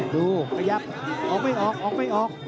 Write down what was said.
ดูพยายามออกไม่ออกออกไม่ออก